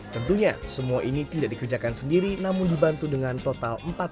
tentunya semua ini tidak dikerjakan sendiri namun dibantu dengan total empat puluh